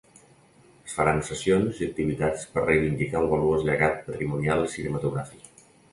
Es faran sessions i activitats per reivindicar el valuós llegat patrimonial cinematogràfic.